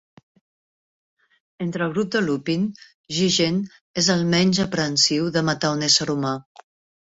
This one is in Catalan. Entre el grup de Lupin, Jigen és el menys aprehensiu de matar un ésser humà.